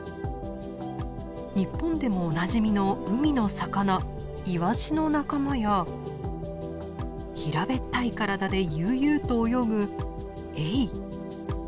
日本でもおなじみの海の魚イワシの仲間や平べったい体で悠々と泳ぐエイ。